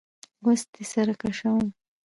وس دي سره کشوم